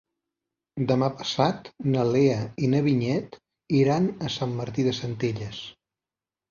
Demà passat na Lea i na Vinyet iran a Sant Martí de Centelles.